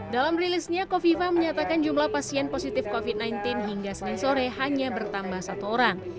dalam rilisnya kofifa menyatakan jumlah pasien positif covid sembilan belas hingga senin sore hanya bertambah satu orang